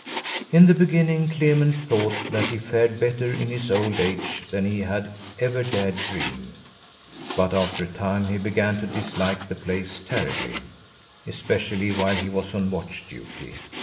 In the beginning Clement thought that he fared better in his old age than he had ever dared dream; but after a time he began to dislike the place terribly, especially while he was on watch duty.